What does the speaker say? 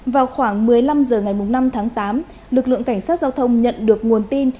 vào khoảng một mươi năm h ngày năm tháng tám lực lượng cảnh sát giao thông nhận được nguồn tin